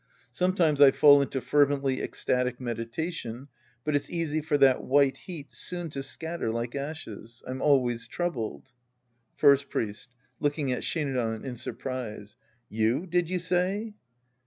Sometimes I fall into fervently ecstatic meditation, but it's easy for that wliite heat soon to scatter like ashes. I'm always troubled. First Priest (looking at Shinran in surprise). You, did you say